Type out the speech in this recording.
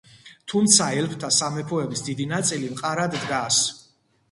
თუმცა, ელფთა სამეფოების დიდი ნაწილი მყარად დგას.